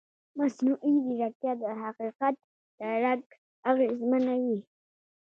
مصنوعي ځیرکتیا د حقیقت درک اغېزمنوي.